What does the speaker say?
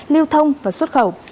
lưu thông và xuất khẩu